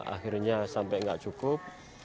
akhirnya sampai gak cukup